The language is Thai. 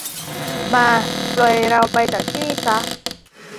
มา ปล่อยเราไปจากที่นี่ซะ